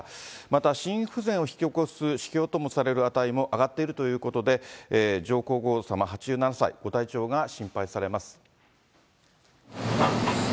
また心不全を引き起こす指標ともされる値も上がっているということで、上皇后さま８７歳、ご体調が心配されます。